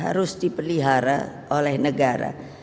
harus diperlihara oleh negara